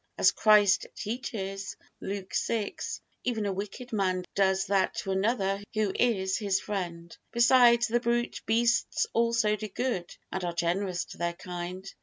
As Christ teaches, Luke vi, even a wicked man does that to another who is his friend. Besides, the brute beasts also do good and are generous to their kind.